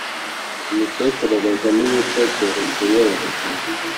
imitekerereze n imico byerekeye ubuzima